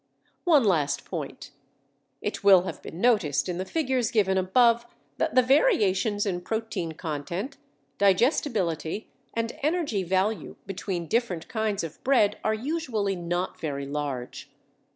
One last point. It will have been noticed in the figures given above that the variations in protein content, digestibility, and energy value, between different kinds of bread are usually not very large.